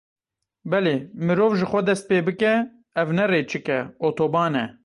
Belê, mirov ji xwe dest pê bike, ev ne rêçik e otoban e.